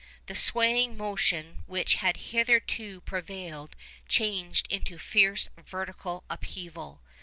The swaying motion which had hitherto prevailed changed into fierce vertical upheaval.